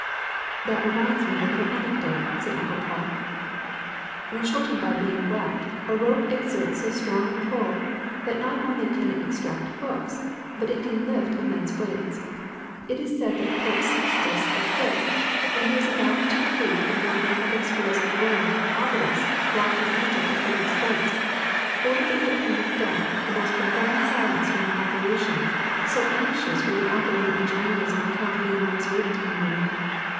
"That reminds me of a little anecdote," said Uncle PauL "When shortened by being wet, a rope exerts so strong a pull that not only can it extract hooks, but it can even lift immense weights. It is said that Pope Sixtus the Fifth, when he was about to erect in one of the public squares of Rome an obelisk brought from Egypt at great expense, ordered under pain of death the most profound silence during the operation, so anxious were the operating engineers on account of the enormous weight to be moved.